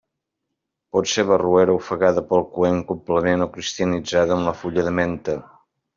Pot ser barroera ofegada pel coent complement o cristianitzada amb la fulla de menta.